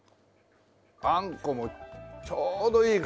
あんこもちょうどいい感じで。